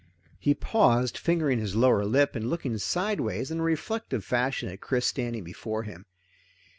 He paused, fingering his lower lip and looking sideways in a reflective fashion at Chris standing before him.